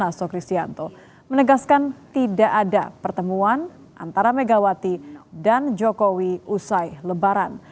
hasto kristianto menegaskan tidak ada pertemuan antara megawati dan jokowi usai lebaran